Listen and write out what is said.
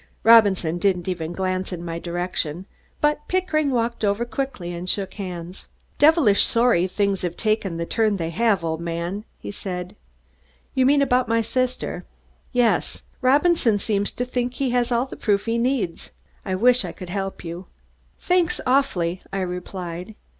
Robinson didn't even glance in my direction, but Pickering walked over quickly and shook hands. "Devilish sorry things have taken the turn they have, old man," he said. "You mean about my sister?" "Yes. Robinson seems to think he has all the proof he needs. I wish I could help you." "Thanks awfully," I replied.